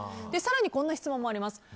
更にこんな質問もあります。